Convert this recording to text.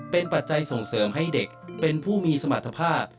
เป็นปัจจัยส่งเสริมให้เด็กเป็นผู้มีสมรรถภาพ